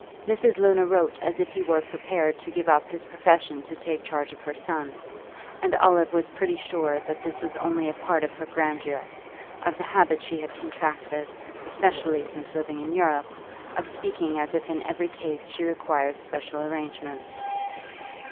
Mrs. Luna wrote as if he were prepared to give up his profession to take charge of her son, and Olive was pretty sure that this was only a part of her grandeur, of the habit she had contracted, especially since living in Europe, of speaking as if in every case she required special arrangements.